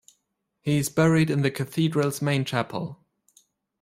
He is buried in the cathedral's main chapel.